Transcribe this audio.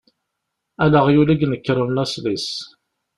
Ala aɣyul i inekren lasel-is.